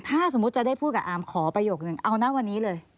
ถ้าสมมุติจะได้พูดกับอาร์มขอประโยคนึงเอานะวันนี้เลย